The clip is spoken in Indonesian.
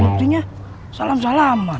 buktinya salam salaman